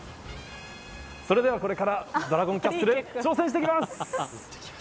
それではこれからドラゴンキャッスル挑戦していきます。